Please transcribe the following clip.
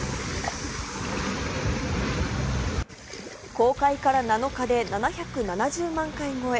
公開から７日で７７０万回超え。